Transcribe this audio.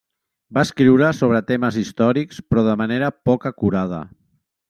Va escriure sobre temes històrics però de manera poc acurada.